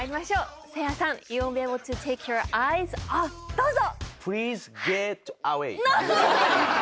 どうぞ！